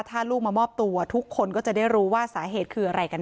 ถ้าลูกมามอบตัวทุกคนก็จะได้รู้ว่าสาเหตุคืออะไรกันแ